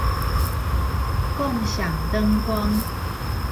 共享燈光